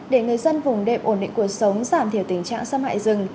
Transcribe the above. để người dân vùng đệm ổn định cuộc sống giảm thiểu tình trạng xâm hại rừng